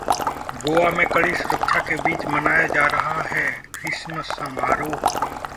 गोवा में कड़ी सुरक्षा के बीच मनाया जा रहा है क्रिसमस समारोह